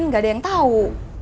gak ada yang tau